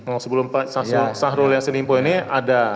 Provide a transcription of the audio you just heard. oh sebelum pak sahrul yasin limpo ini ada